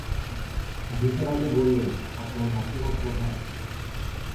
নিসার আলি বললেন, আপনার মাইক্রোবাস কোথায়?